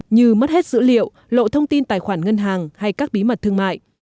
như mất hết dữ liệu lộ thông tin tài khoản ngân hàng hay các bí mật thương mại